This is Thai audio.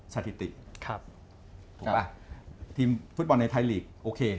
แมทตอนที่จอดันไทยเนสซันโดนใบแดง